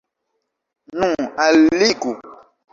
Nu, alligu!